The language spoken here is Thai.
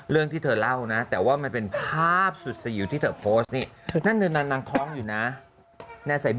เรื่องที่เธอเล่านะแต่ว่ามันเป็นภาพสุดสวยอยู่ที่เธอโพสต์กว้างกองอยู่นะ